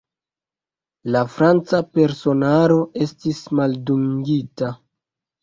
La franca personaro estis maldungita.